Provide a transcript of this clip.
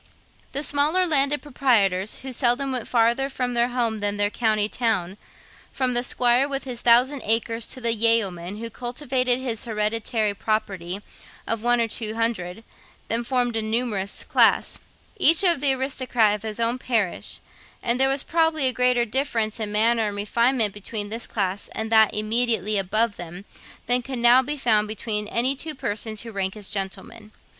The smaller landed proprietors, who seldom went farther from home than their county town, from the squire with his thousand acres to the yeoman who cultivated his hereditary property of one or two hundred, then formed a numerous class each the aristocrat of his own parish; and there was probably a greater difference in manners and refinement between this class and that immediately above them than could now be found between any two persons who rank as gentlemen.